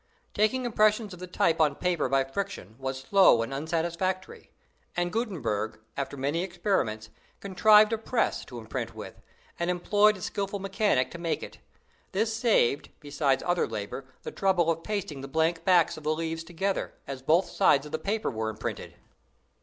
Taking impressions of the type on paper by friction was slow and unsatisfactory; and Gutenberg, after many experiments, contrived a press to imprint with, and employed a skillful mechanic to make it. This saved, besides other labor, the trouble of pasting the blank backs of the leaves together, as both sides of the paper were imprinted.